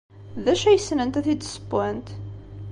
D acu ay ssnent ad t-id-ssewwent?